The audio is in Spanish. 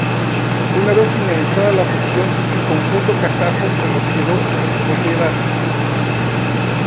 Una vez finalizada la cesión, el conjunto kazajo se lo quedó en propiedad.